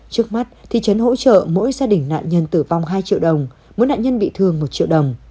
trước mắt thị trấn hỗ trợ mỗi gia đình nạn nhân tử vong hai triệu đồng mỗi nạn nhân bị thương một triệu đồng